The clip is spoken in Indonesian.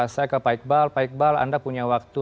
saya ke pak iqbal pak iqbal anda punya waktu